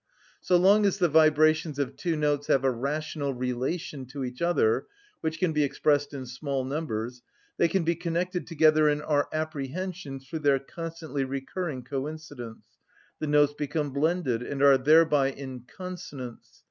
So long as the vibrations of two notes have a rational relation to each other, which can be expressed in small numbers, they can be connected together in our apprehension through their constantly recurring coincidence: the notes become blended, and are thereby in consonance.